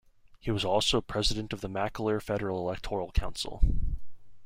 He was also President of the Mackellar Federal Electoral Council.